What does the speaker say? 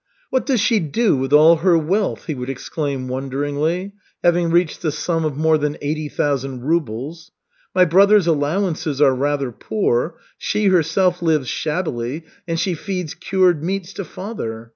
"What does she do with all her wealth?" he would exclaim wonderingly, having reached the sum of more than eighty thousand rubles. "My brothers' allowances are rather poor; she herself lives shabbily, and she feeds cured meats to father.